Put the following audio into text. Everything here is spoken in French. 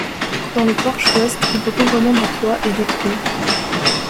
Dans le porche ouest, le recouvrement du toit est détruit.